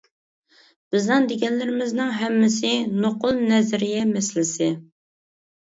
بىزنىڭ دېگەنلىرىمىزنىڭ ھەممىسى نوقۇل نەزەرىيە مەسىلىسى.